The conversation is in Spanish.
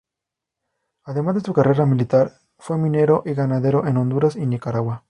Además de su carrera militar fue minero y ganadero en Honduras y Nicaragua.